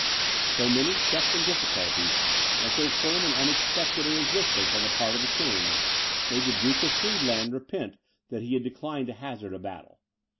So many checks and difficulties, and so firm and unexpected a resistance on the part of the King, made the Duke of Friedland repent that he had declined to hazard a battle.